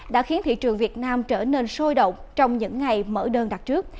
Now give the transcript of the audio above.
đã khiến thị trường việt nam trở nên sôi động trong những ngày mở đơn đặt trước